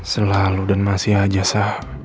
selalu dan masih aja sa